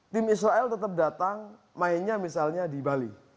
tim israel tetap datang mainnya misalnya di bali